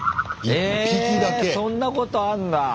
えそんなことあんだ。